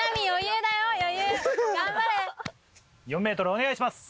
４ｍお願いします。